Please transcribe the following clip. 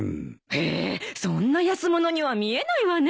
へえそんな安物には見えないわね。